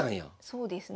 そうですね。